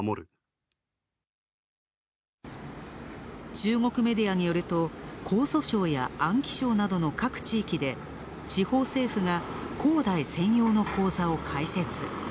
中国メディアによると、江蘇省や安徽省などの各地域で、地方政府が恒大専用の口座を開設。